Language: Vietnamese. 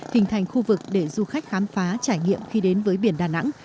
hình thành khu vực để du khách khám phá trải nghiệm khi đến với biển đà nẵng